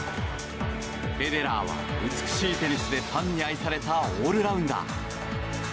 フェデラーは美しいテニスでファンに愛されたオールラウンダー。